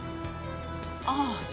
ああ。